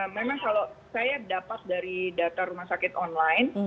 memang kalau saya dapat dari data rumah sakit online